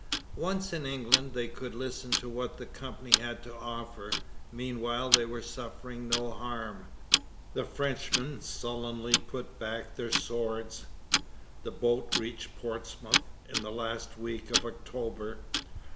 Once in England, they could listen to what the Company had to offer: meanwhile they were suffering no harm. The Frenchmen sullenly put back their swords. The boat reached Portsmouth in the last week of October.